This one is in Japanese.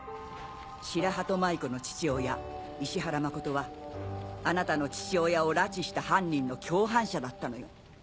白鳩舞子の父親石原誠はあなたの父親を拉致した犯人の共犯者だったのよ。